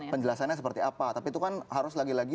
penjelasannya seperti apa tapi itu kan harus lagi lagi